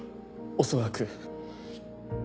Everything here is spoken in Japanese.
恐らく。